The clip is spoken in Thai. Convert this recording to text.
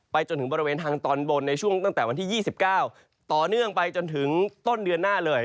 จนถึงบริเวณทางตอนบนในช่วงตั้งแต่วันที่๒๙ต่อเนื่องไปจนถึงต้นเดือนหน้าเลย